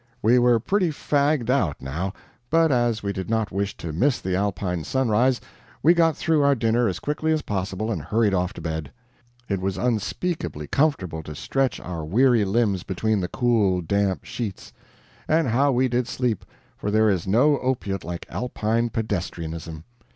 We were pretty well fagged out, now, but as we did not wish to miss the Alpine sunrise, we got through our dinner as quickly as possible and hurried off to bed. It was unspeakably comfortable to stretch our weary limbs between the cool, damp sheets. And how we did sleep! for there is no opiate like Alpine pedestrianism.